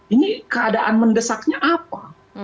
ini keadaan mendesaknya apa